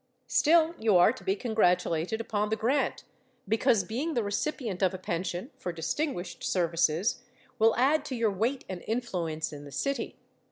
Still, you are to be congratulated upon the grant, because being the recipient of a pension, for distinguished services, will add to your weight and influence in the city.